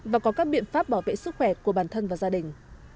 và có các biện pháp bảo vệ sức khỏe của bản thân và gia đình